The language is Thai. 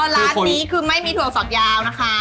ร้านนี้คือไม่มีถั่วสอดยาวนะคะ